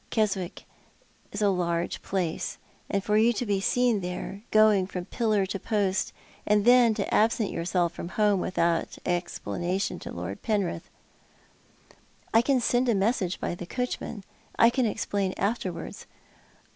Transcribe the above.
Keswick is a large place— and for you to be seen there, going from pillar to post— and then, to absent yourself from home without exj)lanation to Lord Penriih " "I can send a message by the coachmau. I can explain afterwards."